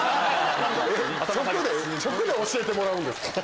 直で教えてもらうんですか？